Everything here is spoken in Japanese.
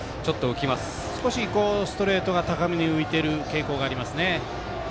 少しストレートが高めに浮いてる傾向がありますね。